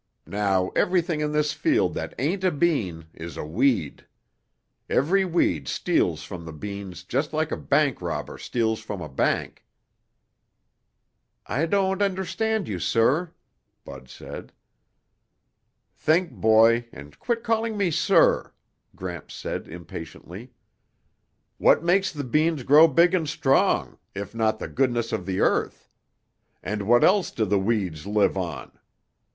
Now, everything in this field that ain't a bean is a weed. Every weed steals from the beans just like a bank robber steals from a bank." "I don't understand you, sir," Bud said. "Think, boy, and quit calling me sir," Gramps said impatiently. "What makes the beans grow big and strong, if not the goodness of the earth? And what else do the weeds live on?